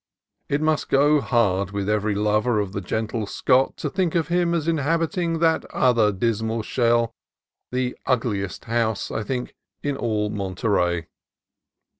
It must go hard with every lover of the gentle Scot to think of him as inhabiting that other dismal shell, the ugliest house, I think, in all Monterey.